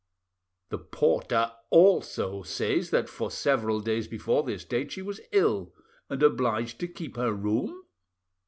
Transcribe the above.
"The porter also says that for several days before this date she was ill, and obliged to keep her room?"